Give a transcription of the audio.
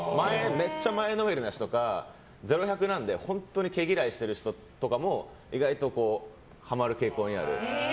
めっちゃ前のめりな人か０、１００なんで本当に毛嫌いしている人とかも意外とハマる傾向にある。